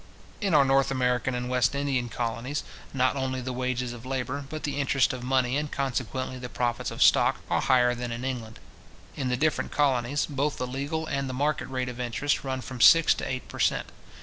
In our North American and West Indian colonies, not only the wages of labour, but the interest of money, and consequently the profits of stock, are higher than in England. In the different colonies, both the legal and the market rate of interest run from six to eight percent.